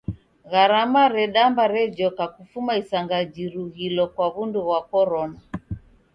Garama redamba rejoka kufuma isanga jirughilo kwa w'undu ghwa korona.